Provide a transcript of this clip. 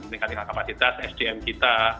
meningkatkan kapasitas sdm kita